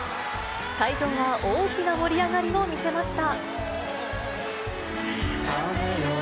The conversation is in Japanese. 会場は大きな盛り上がりを見せました。